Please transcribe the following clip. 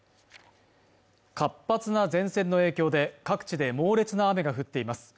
活発な前線の影響で各地で猛烈な雨が降っています